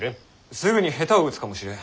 すぐに下手を打つかもしれん。